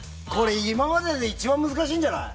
今までで一番難しいんじゃない？